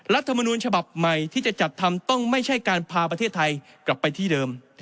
รัฐมนูลฉบับใหม่ที่จะจัดทำต้องไม่ใช่การพาประเทศไทยกลับไปที่เดิม